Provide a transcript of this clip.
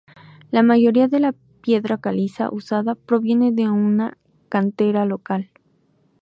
La mayoría de la piedra caliza usada proviene de una cantera local.